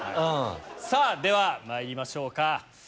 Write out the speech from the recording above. さぁではまいりましょうか。